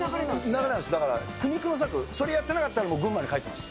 流れなんです、だから苦肉の策でそれやってなかったら、もう群馬に帰ってます。